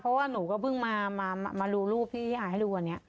เพราะว่าหนูก็เพิ่งมามามามารู้รูปที่อายให้ดูวันนี้